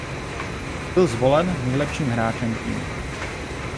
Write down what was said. Byl zvolen nejlepším hráčem týmu.